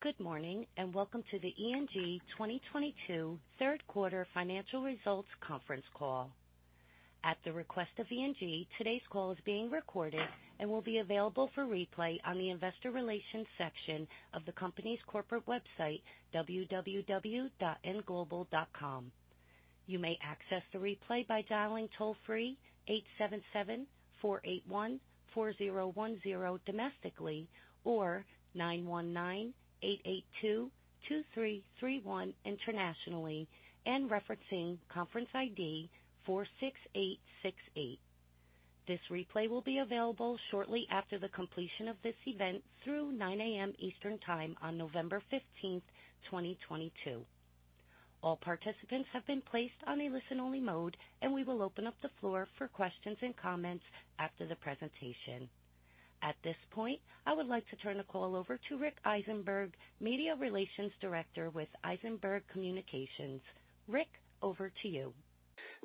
Good morning, and welcome to the ENG 2022 third quarter financial results conference call. At the request of ENG, today's call is being recorded and will be available for replay on the investor relations section of the company's corporate website, www.englobal.com. You may access the replay by dialing toll-free 877-481-4010 domestically, or 919-882-2331 internationally and referencing conference ID 46868. This replay will be available shortly after the completion of this event through 9 A.M. Eastern time on November 15, 2022. All participants have been placed on a listen-only mode, and we will open up the floor for questions and comments after the presentation. At this point, I would like to turn the call over to Rick Eisenberg, Media Relations Director with Eisenberg Communications. Rick, over to you.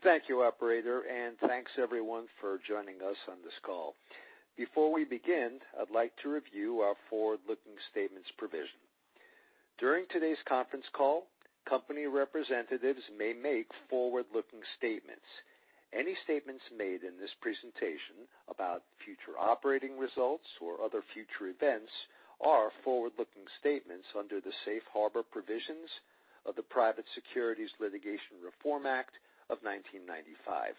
Thank you, operator, and thanks everyone for joining us on this call. Before we begin, I'd like to review our forward-looking statements provision. During today's conference call, company representatives may make forward-looking statements. Any statements made in this presentation about future operating results or other future events are forward-looking statements under the Safe Harbor provisions of the Private Securities Litigation Reform Act of 1995.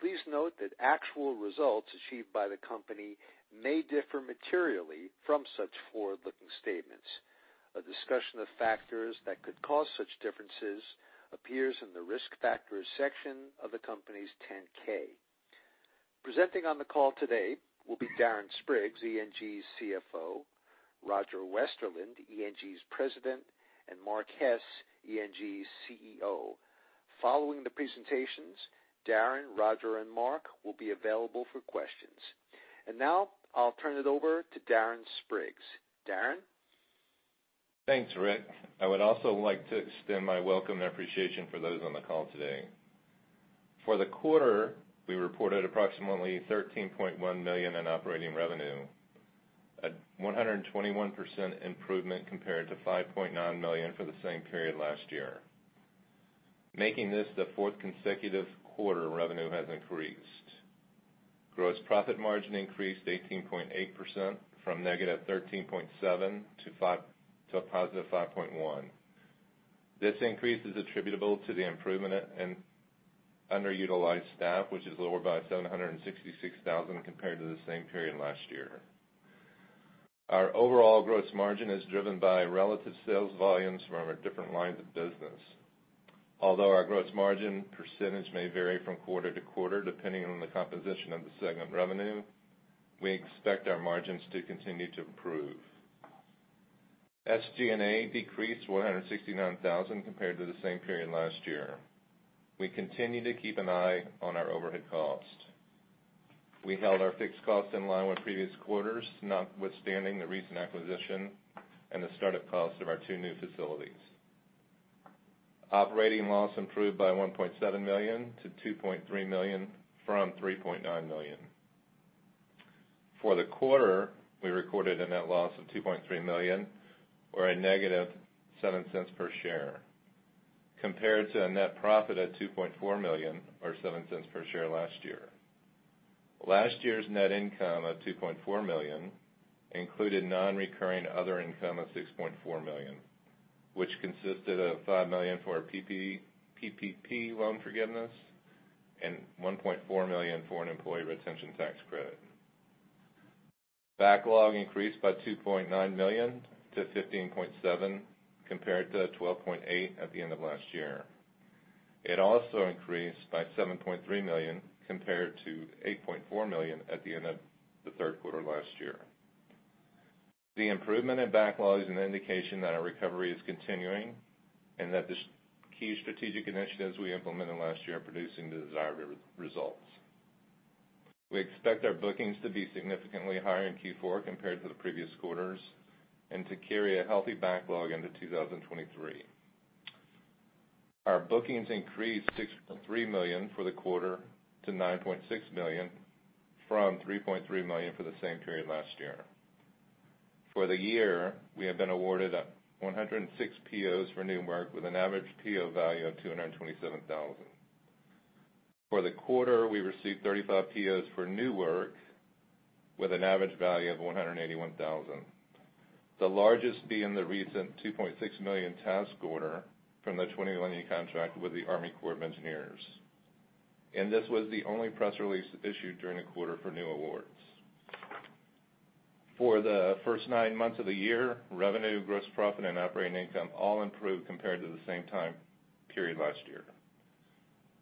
Please note that actual results achieved by the company may differ materially from such forward-looking statements. A discussion of factors that could cause such differences appears in the Risk Factors section of the company's 10-K. Presenting on the call today will be Darren Spriggs, ENG's CFO, Roger Westerlind, ENG's President, and Mark Hess, ENG's CEO. Following the presentations, Darren, Roger, and Mark will be available for questions. Now I'll turn it over to Darren Spriggs. Darren? Thanks, Rick. I would also like to extend my welcome and appreciation for those on the call today. For the quarter, we reported approximately $13.1 million in operating revenue at 121% improvement compared to $5.9 million for the same period last year, making this the fourth consecutive quarter revenue has increased. Gross profit margin increased to 18.8% from -13.7% to a positive 5.1%. This increase is attributable to the improvement in underutilized staff, which is lower by $766,000 compared to the same period last year. Our overall gross margin is driven by relative sales volumes from our different lines of business. Although our gross margin percentage may vary from quarter to quarter depending on the composition of the segment revenue, we expect our margins to continue to improve. SG&A decreased $169,000 compared to the same period last year. We continue to keep an eye on our overhead cost. We held our fixed costs in line with previous quarters, notwithstanding the recent acquisition and the start-up cost of our two new facilities. Operating loss improved by $1.7 million to $2.3 million from $3.9 million. For the quarter, we recorded a net loss of $2.3 million or ($0.07) per share, compared to a net profit of $2.4 million or $0.07 per share last year. Last year's net income of $2.4 million included non-recurring other income of $6.4 million, which consisted of $5 million for our PPP loan forgiveness and $1.4 million for an employee retention tax credit. Backlog increased by $2.9 million to $15.7 compared to $12.8 at the end of last year. It also increased by $7.3 million compared to $8.4 million at the end of the third quarter last year. The improvement in backlog is an indication that our recovery is continuing and that the key strategic initiatives we implemented last year are producing the desired results. We expect our bookings to be significantly higher in Q4 compared to the previous quarters and to carry a healthy backlog into 2023. Our bookings increased $6.3 million for the quarter to $9.6 million from $3.3 million for the same period last year. For the year, we have been awarded 106 POs for new work with an average PO value of $227,000. For the quarter, we received 35 POs for new work with an average value of $181,000. The largest being the recent $2.6 million task order from the 21E contract with the Army Corps of Engineers. This was the only press release issued during the quarter for new awards. For the first 9 months of the year, revenue, gross profit, and operating income all improved compared to the same time period last year.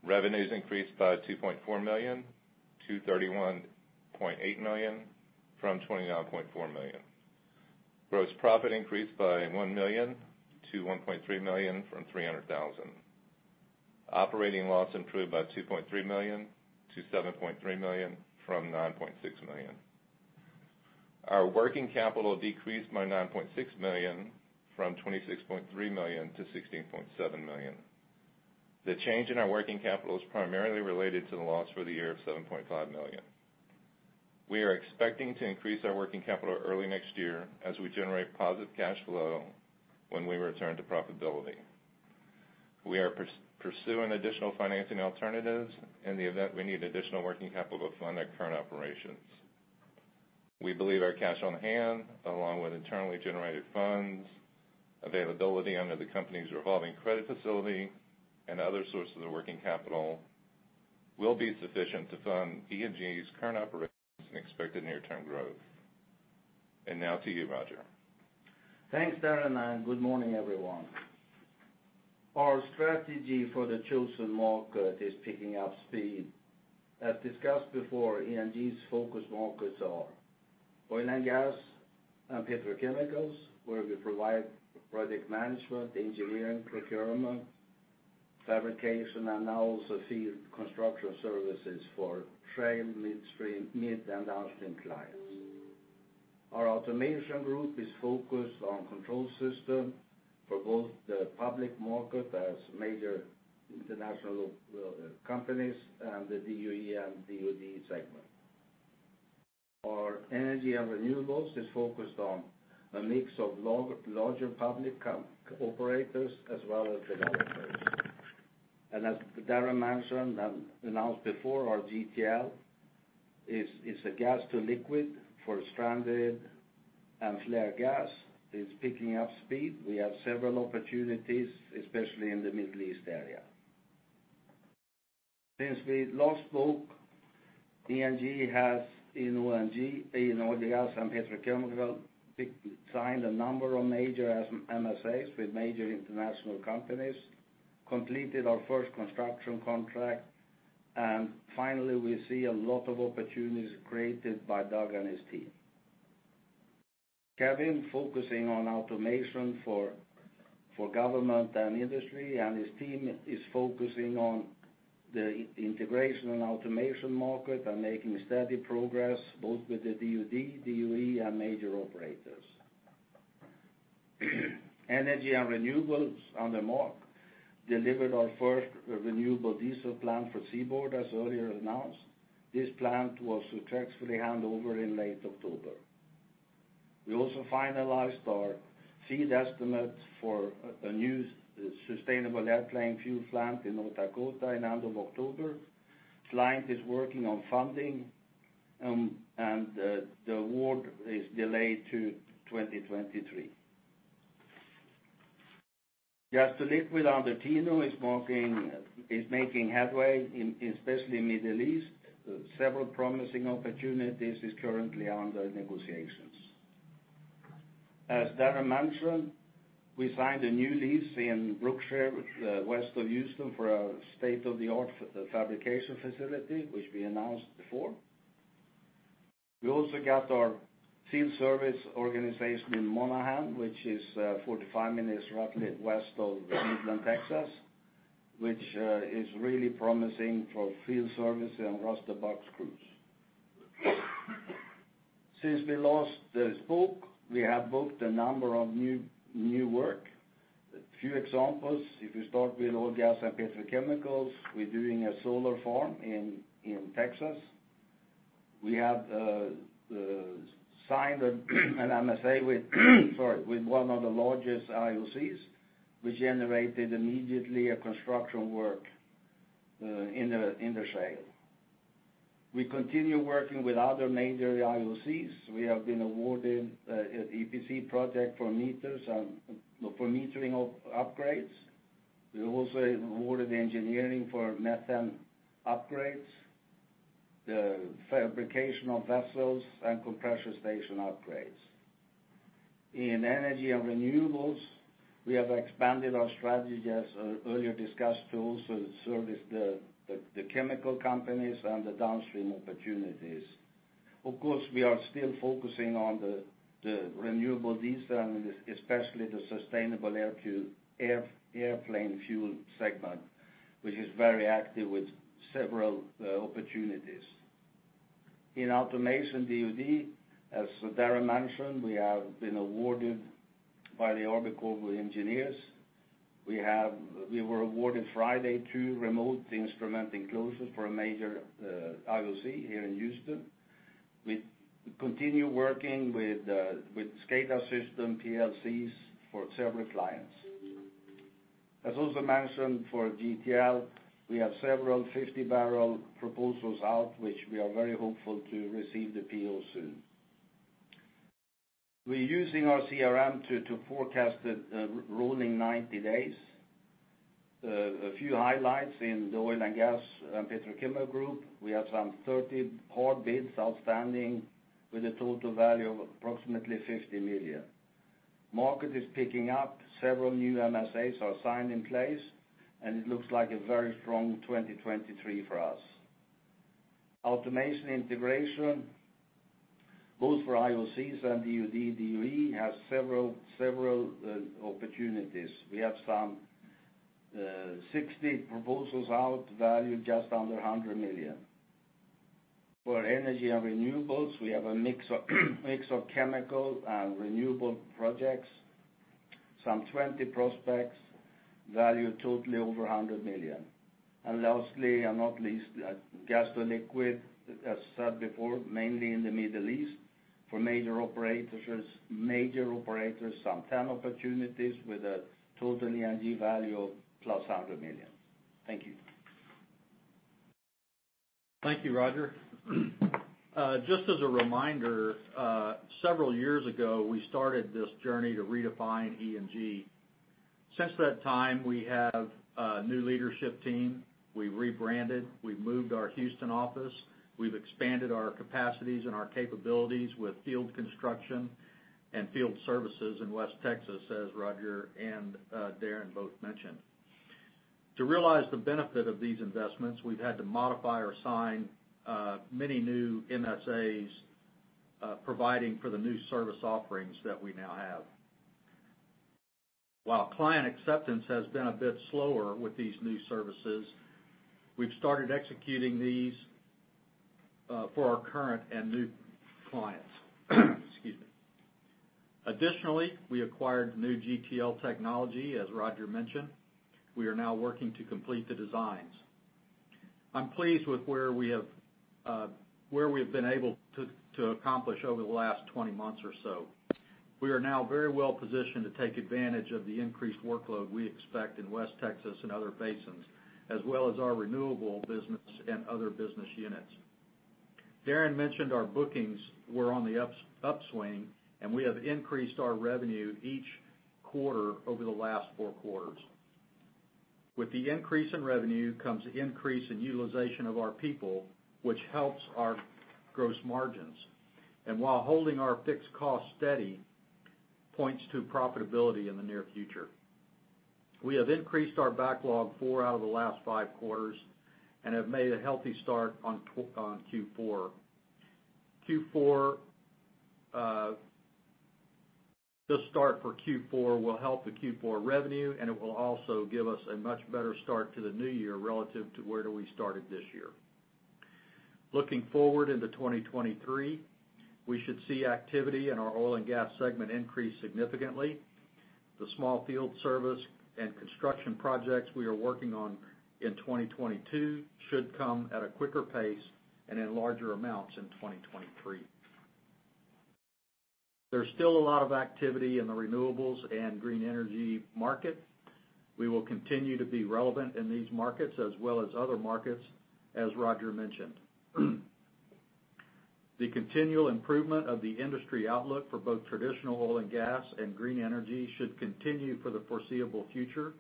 Revenues increased by $2.4 million to $31.8 million from $29.4 million. Gross profit increased by $1 million to $1.3 million from $300,000. Operating loss improved by $2.3 million to $7.3 million from $9.6 million. Our working capital decreased by $9.6 million from $26.3 million to $16.7 million. The change in our working capital is primarily related to the loss for the year of $7.5 million. We are expecting to increase our working capital early next year as we generate positive cash flow when we return to profitability. We are pursuing additional financing alternatives in the event we need additional working capital to fund our current operations. We believe our cash on hand, along with internally generated funds, availability under the company's revolving credit facility and other sources of working capital will be sufficient to fund ENG's current operations and expected near-term growth. Now to you, Roger. Thanks, Darren, and good morning, everyone. Our strategy for the chosen market is picking up speed. As discussed before, ENG's focus markets are oil and gas and petrochemicals, where we provide project management, engineering, procurement, fabrication, and now also field construction services for upstream, midstream, and downstream clients. Our automation group is focused on control system for both the public sector as major international companies and the DOE and DOD segment. Our energy and renewables is focused on a mix of larger public company operators as well as developers. As Darren mentioned and announced before, our GTL is a gas to liquid for stranded and flare gas. It's picking up speed. We have several opportunities, especially in the Middle East area. Since we last spoke, ENG has, in O&G, in oil and gas and petrochemical, signed a number of major MSAs with major international companies, completed our first construction contract, and finally, we see a lot of opportunities created by Doug and his team. Kevin focusing on automation for government and industry, and his team is focusing on the integration and automation market and making steady progress both with the DOD, DOE and major operators. Energy and renewables on track delivered our first renewable diesel plant for Seaboard, as earlier announced. This plant was successfully handed over in late October. We also finalized our feed estimate for a new sustainable airplane fuel plant in North Dakota at the end of October. Client is working on funding, and the award is delayed to 2023. Gas to liquid under TNO is making headway in especially Middle East. Several promising opportunities is currently under negotiations. As Darren mentioned, we signed a new lease in Brookshire west of Houston for a state-of-the-art fabrication facility, which we announced before. We also got our field service organization in Monahans, which is 45 minutes roughly west of Midland, Texas, which is really promising for field service and roster box crews. Since we last spoke, we have booked a number of new work. A few examples, if you start with oil, gas and petrochemicals, we're doing a solar farm in Texas. We have signed an MSA with one of the largest IOCs, which generated immediately a construction work in the shale. We continue working with other major IOCs. We have been awarded EPC project for meters and for metering of upgrades. We also awarded engineering for methane upgrades, the fabrication of vessels and compression station upgrades. In energy and renewables, we have expanded our strategy, as earlier discussed, to also service the chemical companies and the downstream opportunities. Of course, we are still focusing on the renewable diesel and especially the sustainable airplane fuel segment, which is very active with several opportunities. In automation DOD, as Darren mentioned, we have been awarded by the Orbital with engineers. We were awarded Friday 2 remote instrument enclosures for a major IOC here in Houston. We continue working with SCADA system PLCs for several clients. As also mentioned for GTL, we have several 50-barrel proposals out, which we are very hopeful to receive the PO soon. We're using our CRM to forecast the rolling 90 days. A few highlights in the oil and gas petrochemical group. We have some 30 hard bids outstanding with a total value of approximately $50 million. Market is picking up. Several new MSAs are signed in place, and it looks like a very strong 2023 for us. Automation integration, both for IOCs and DOD, DOE, has several opportunities. We have some 60 proposals out valued just under $100 million. For energy and renewables, we have a mix of chemical and renewable projects. Some 20 prospects value totally over $100 million. Lastly and not least, gas to liquid, as said before, mainly in the Middle East for major operators, some 10 opportunities with a total ENG value of over $100 million. Thank you. Thank you, Roger. Just as a reminder, several years ago, we started this journey to redefine ENG. Since that time, we have a new leadership team. We've rebranded. We've moved our Houston office. We've expanded our capacities and our capabilities with field construction and field services in West Texas, as Roger and Darren both mentioned. To realize the benefit of these investments, we've had to modify or sign many new MSAs providing for the new service offerings that we now have. While client acceptance has been a bit slower with these new services, we've started executing these for our current and new clients. Excuse me. Additionally, we acquired new GTL technology, as Roger mentioned. We are now working to complete the designs. I'm pleased with where we've been able to accomplish over the last 20 months or so. We are now very well positioned to take advantage of the increased workload we expect in West Texas and other basins, as well as our renewable business and other business units. Darren mentioned our bookings were on the upswing, and we have increased our revenue each quarter over the last four quarters. With the increase in revenue comes increase in utilization of our people, which helps our gross margins. While holding our fixed costs steady points to profitability in the near future. We have increased our backlog four out of the last five quarters and have made a healthy start on Q4. This start for Q4 will help the Q4 revenue, and it will also give us a much better start to the new year relative to where we started this year. Looking forward into 2023, we should see activity in our oil and gas segment increase significantly. The small field service and construction projects we are working on in 2022 should come at a quicker pace and in larger amounts in 2023. There's still a lot of activity in the renewables and green energy market. We will continue to be relevant in these markets as well as other markets, as Roger mentioned. The continual improvement of the industry outlook for both traditional oil and gas and green energy should continue for the foreseeable future,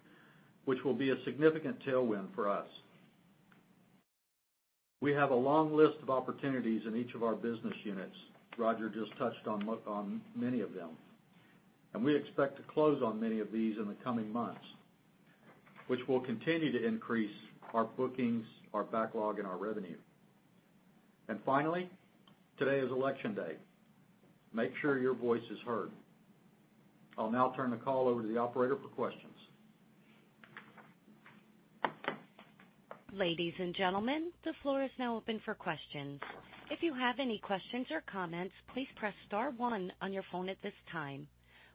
which will be a significant tailwind for us. We have a long list of opportunities in each of our business units. Roger just touched on on many of them. We expect to close on many of these in the coming months, which will continue to increase our bookings, our backlog, and our revenue. Finally, today is election day. Make sure your voice is heard. I'll now turn the call over to the operator for questions. Ladies and gentlemen, the floor is now open for questions. If you have any questions or comments, please press star one on your phone at this time.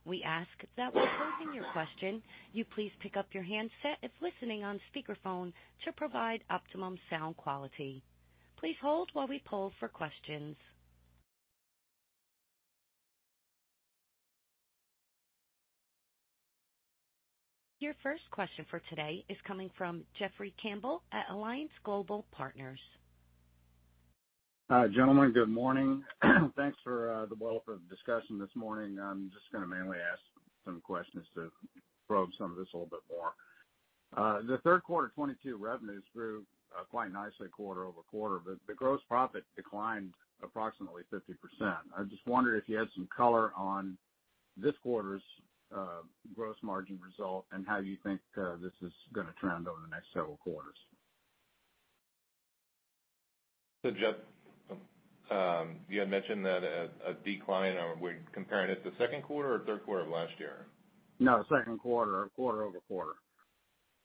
We ask that when posing your question, you please pick up your handset if listening on speakerphone to provide optimum sound quality. Please hold while we poll for questions. Your first question for today is coming from Jeffrey Campbell at Alliance Global Partners. Hi, gentlemen. Good morning. Thanks for the wealth of discussion this morning. I'm just gonna mainly ask some questions to probe some of this a little bit more. The third quarter 2022 revenues grew quite nicely quarter-over-quarter, but the gross profit declined approximately 50%. I just wondered if you had some color on this quarter's gross margin result and how you think this is gonna trend over the next several quarters. Jeffrey, you had mentioned that a decline, are we comparing it to second quarter or third quarter of last year? No, second quarter, or quarter-over-quarter.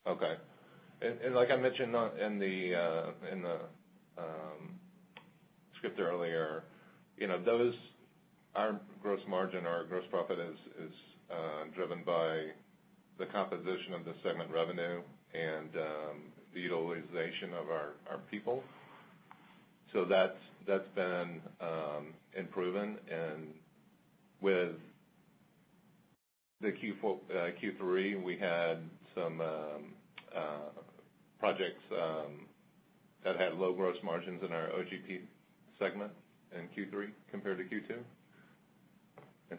Okay. Like I mentioned in the script earlier, you know, those, our gross margin, our gross profit is driven by the composition of the segment revenue and the utilization of our people. That's been improving. With the Q3, we had some projects that had low gross margins in our OGP segment in Q3 compared to Q2.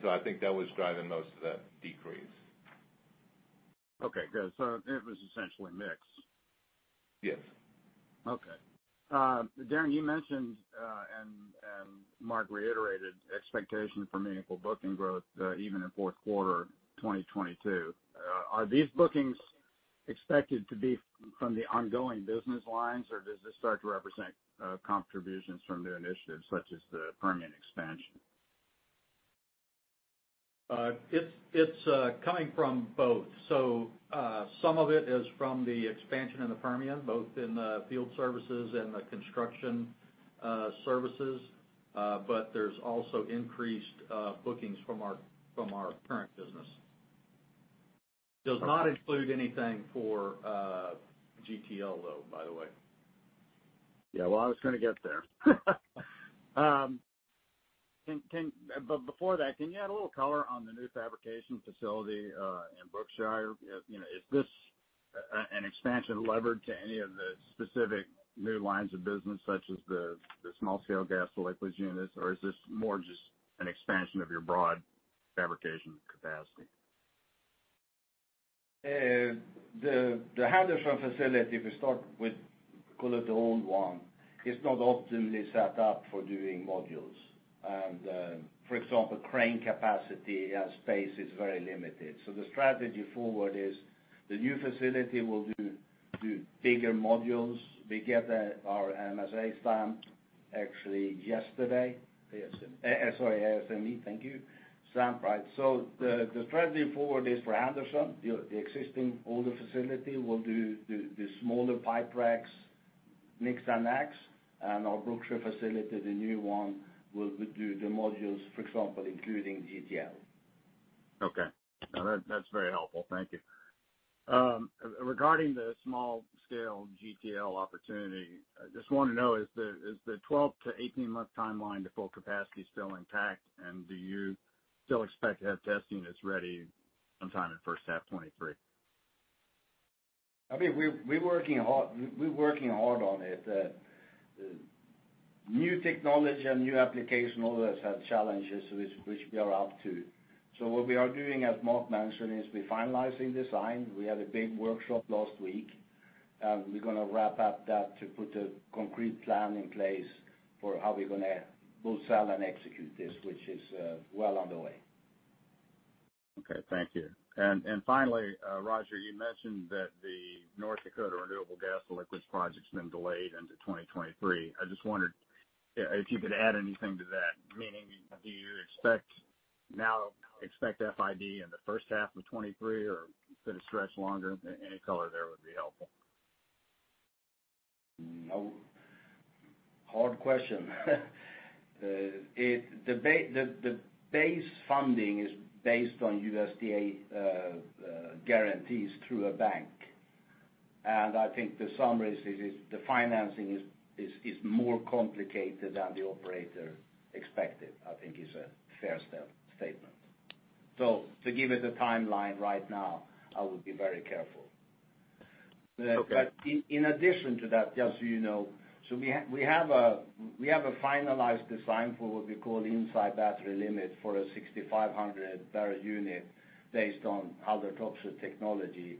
I think that was driving most of that decrease. Okay, good. It was essentially mix. Yes. Okay. Darren, you mentioned, and Mark reiterated expectations for meaningful booking growth, even in fourth quarter of 2022. Are these bookings expected to be from the ongoing business lines, or does this start to represent contributions from new initiatives such as the Permian expansion? It's coming from both. Some of it is from the expansion in the Permian, both in the field services and the construction services. There's also increased bookings from our current business. Does not include anything for GTL though, by the way. Yeah. Well, I was gonna get there. Before that, can you add a little color on the new fabrication facility in Brookshire? You know, is this an expansion levered to any of the specific new lines of business, such as the small-scale gas liquids units? Or is this more just an expansion of your broad fabrication capacity? The Anderson facility, if we start with call it the old one, is not optimally set up for doing modules. For example, crane capacity and space is very limited. The strategy forward is the new facility will do bigger modules. We got our ASME stamp actually yesterday, right. The strategy forward is for Anderson. The existing older facility will do the smaller pipe racks, mix and match. Our Brookshire facility, the new one, will do the modules, for example, including GTL. Okay. No, that's very helpful. Thank you. Regarding the small-scale GTL opportunity, I just wanna know, is the 12-18-month timeline to full capacity still intact? Do you still expect to have testing that's ready sometime in first half 2023? I mean, we're working hard on it. New technology and new application always have challenges which we are up to. What we are doing, as Mark mentioned, is we're finalizing design. We had a big workshop last week. We're gonna wrap up that to put a concrete plan in place for how we're gonna build, sell, and execute this, which is well on the way. Okay, thank you. Finally, Roger, you mentioned that the North Dakota renewable gas to liquids project's been delayed into 2023. I just wondered if you could add anything to that, meaning do you now expect FID in the first half of 2023 or could it stretch longer? Any color there would be helpful. No. Hard question. The base funding is based on USDA guarantees through a bank. I think the summary is the financing is more complicated than the operator expected, I think is a fair statement. To give it a timeline right now, I would be very careful. Okay. In addition to that, just so you know, we have a finalized design for what we call inside battery limits for a 6,500 barrel unit based on Haldor Topsoe technology.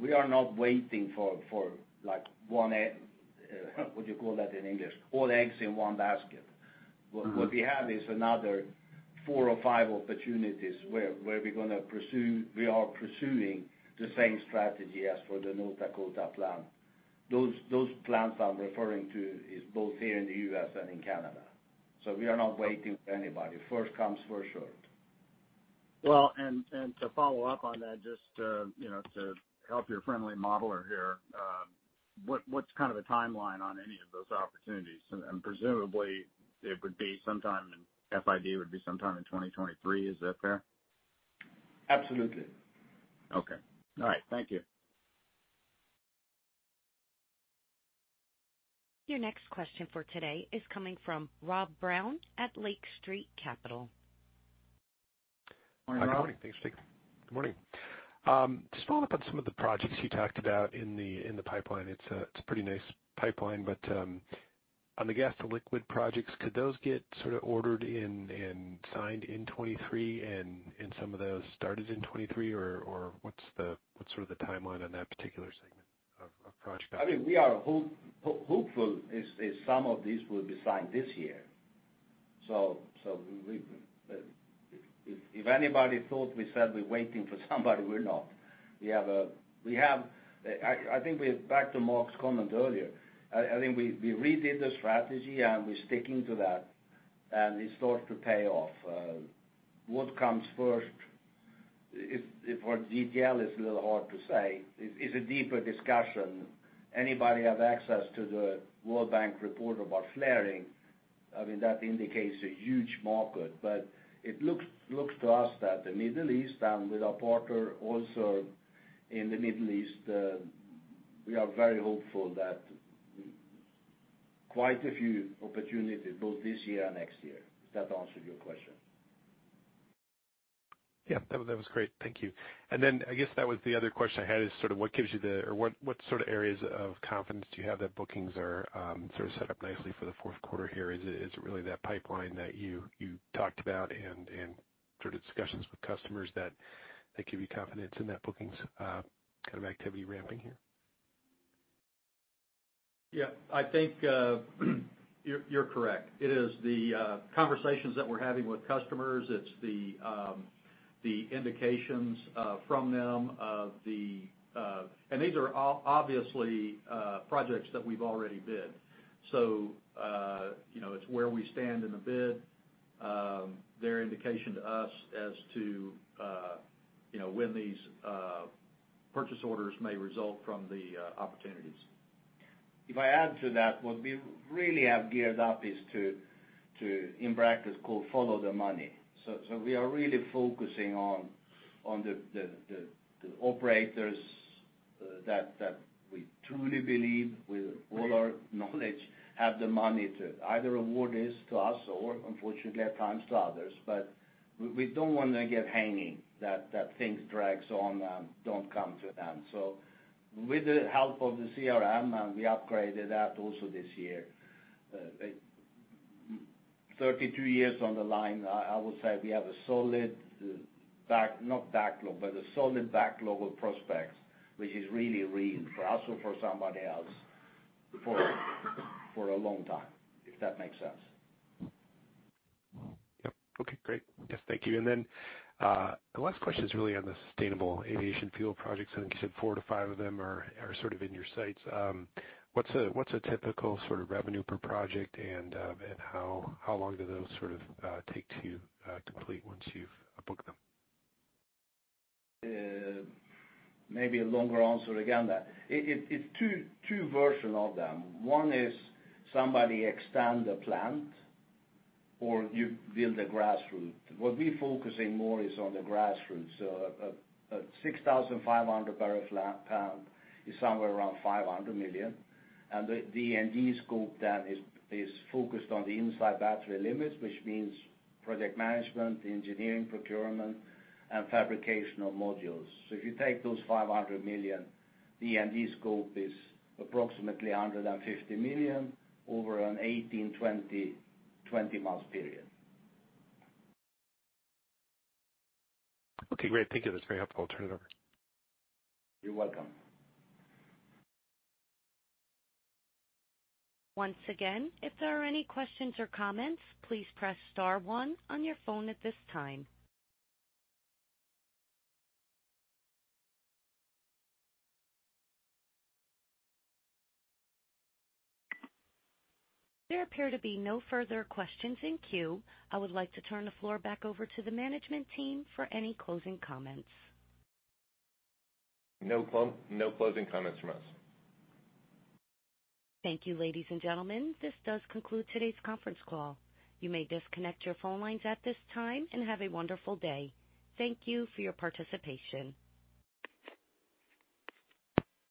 We are not waiting for like one what do you call that in English? All eggs in one basket. Mm-hmm. What we have is another four or five opportunities where we are pursuing the same strategy as for the North Dakota plant. Those plants I'm referring to is both here in the U.S. and in Canada. We are not waiting for anybody. First comes, first served. To follow up on that, just to, you know, to help your friendly modeler here, what's kind of the timeline on any of those opportunities? Presumably it would be sometime in FID would be sometime in 2023. Is that fair? Absolutely. Okay. All right. Thank you. Your next question for today is coming from Rob Brown at Lake Street Capital Markets. Morning, Rob. Hi, good morning. Thanks, Jake. Good morning. Just following up on some of the projects you talked about in the pipeline. It's a pretty nice pipeline, but on the gas to liquid projects, could those get sort of ordered and signed in 2023 and some of those started in 2023 or what's the timeline on that particular segment of project? I mean, we are hopeful that some of these will be signed this year. If anybody thought we said we're waiting for somebody, we're not. I think we're back to Mark's comment earlier. I think we redid the strategy, and we're sticking to that, and it starts to pay off. What comes first for GTL is a little hard to say. It's a deeper discussion. Anybody have access to the World Bank report about flaring, I mean, that indicates a huge market. But it looks to us that the Middle East and with our partner also in the Middle East, we are very hopeful that quite a few opportunities both this year and next year. Does that answer your question? Yeah. That was great. Thank you. I guess that was the other question I had is sort of what sort of areas of confidence do you have that bookings are sort of set up nicely for the fourth quarter here? Is it really that pipeline that you talked about and sort of discussions with customers that give you confidence in that bookings kind of activity ramping here? Yeah. I think you're correct. It is the conversations that we're having with customers. It's the indications from them, and these are obviously projects that we've already bid. You know, it's where we stand in the bid, their indication to us as to, you know, when these purchase orders may result from the opportunities. If I add to that, what we really have geared up is to in practice follow the money. We are really focusing on the operators that we truly believe with all our knowledge have the money to either award this to us or unfortunately at times to others. We don't want to get hung up on things that drag on and don't come to an end. With the help of the CRM, and we upgraded that also this year, 32 years on the line, I would say we have a solid backlog of prospects, which is really real for us or for somebody else for a long time, if that makes sense. Yep. Okay, great. Yes. Thank you. Then, the last question is really on the sustainable aviation fuel projects. I think you said 4-5 of them are sort of in your sights. What's a typical sort of revenue per project and how long do those sort of take to complete once you've booked them? Maybe a longer answer again there. It's two versions of them. One is somebody expand the plant or you build a grassroots. What we focusing more is on the grassroots. A 6,500-barrel per-day plant is somewhere around $500 million. The E&D scope then is focused on the inside battery limits, which means project management, engineering, procurement, and fabrication of modules. If you take those $500 million, the E&D scope is approximately $150 million over an 18-20 months period. Okay, great. Thank you. That's very helpful. I'll turn it over. You're welcome. Once again, if there are any questions or comments, please press star one on your phone at this time. There appear to be no further questions in queue. I would like to turn the floor back over to the management team for any closing comments. No closing comments from us. Thank you, ladies and gentlemen. This does conclude today's conference call. You may disconnect your phone lines at this time and have a wonderful day. Thank you for your participation.